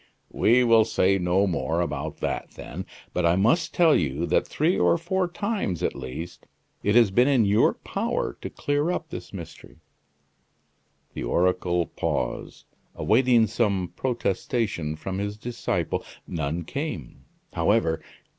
"We will say no more about that, then. But I must tell you that three or four times, at least, it has been in your power to clear up this mystery." The oracle paused, awaiting some protestation from his disciple. None came, however.